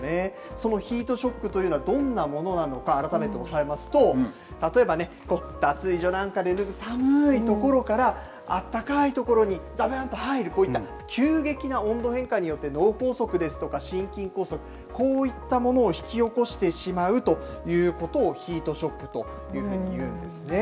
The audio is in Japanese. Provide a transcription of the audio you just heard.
そのヒートショックというのはどんなものなのか、改めて押さえますと、例えばね、脱衣所なんかで脱ぐ寒い所から、あったかい所にざぶんと入る、こういった急激な温度変化によって、脳梗塞ですとか心筋梗塞、こういったものを引き起こしてしまうということを、ヒートショックというふうにいうんですね。